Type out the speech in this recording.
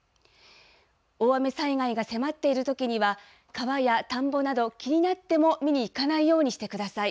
大雨災害が迫っているときには、川や田んぼなど、気になっても、見に行かないようにしてください。